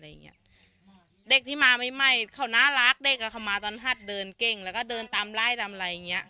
อย่างเงี้ยเด็กที่มาไม่ไม่เขาน่ารักเด็กอะเขามาตอนฮัดเดินเก่งแล้วก็เดินตามร่ายตามอะไรอย่างเงี้ย